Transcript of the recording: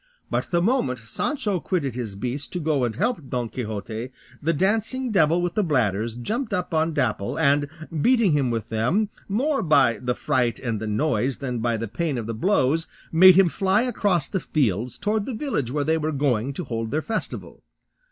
But the moment Sancho quitted his beast to go and help Don Quixote, the dancing devil with the bladders jumped up on Dapple, and beating him with them, more by the fright and the noise than by the pain of the blows, made him fly across the fields towards the village where they were going to hold their festival.